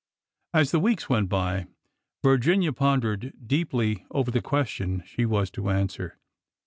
" As the weeks went by, Virginia pondered deeply over the question she was to answer.